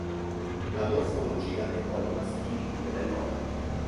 La morfologia dei coni maschili non è nota.